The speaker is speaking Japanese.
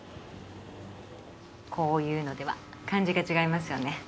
こういうのでは感じが違いますよね？